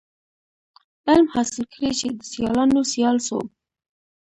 علم حاصل کړی چي د سیالانو سیال سو.